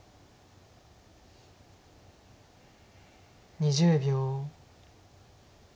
２０秒。